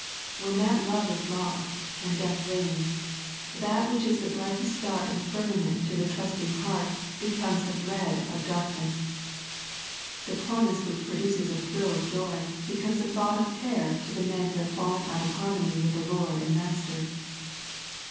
When that love is lost, and death reigns, that which is the brightest star in the firmament to the trusting heart becomes a dread of darkness. The promise which produces a thrill of joy, be comes a thought of terror to the men who have fallen out of harmony with the Lord and Master.